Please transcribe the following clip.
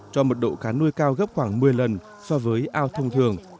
cho mật độ cá nuôi cao gấp khoảng một mươi lần so với ao thông thường